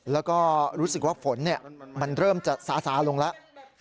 แล้วก็รู้สึกว่าฝนมันเริ่มจะซาซาลงแล้ว